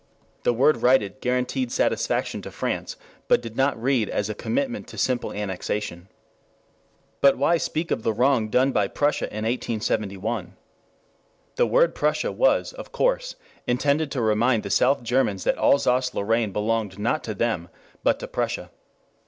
The word "righted" guaranteed satisfaction to France, but did not read as a commitment to simple annexation. But why speak of the wrong done by Prussia in 1871? The word Prussia was, of course, intended to remind the South Germans that Alsace Lorraine belonged not to them but to Prussia.